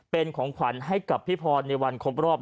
เป็นของขวัญให้กับพี่พรในวันครบรอบ